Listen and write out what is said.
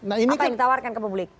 apa yang ditawarkan ke publik